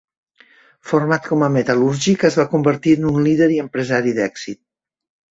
Format com a metal·lúrgic, es va convertir en un líder i empresari d'èxit.